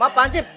maaf pak ancik